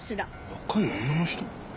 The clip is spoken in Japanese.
若い女の人？